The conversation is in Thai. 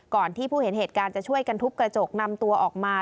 ที่ผู้เห็นเหตุการณ์จะช่วยกันทุบกระจกนำตัวออกมา